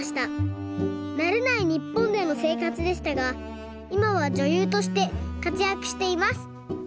なれないにっぽんでのせいかつでしたがいまはじょゆうとしてかつやくしています。